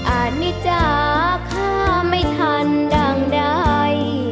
อันนี้จ้าข้าไม่ทันดั่งใด